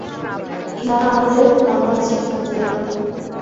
ইঁহারা আমাদের বাংলাদেশের পূজ্য দেবতা।